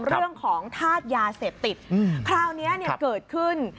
เรื่องของธาตุยาเสพติดคราวนี้เนี่ยเกิดขึ้น